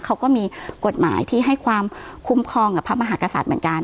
เขาก็มีกฎหมายที่ให้ความคุ้มครองกับพระมหากษัตริย์เหมือนกัน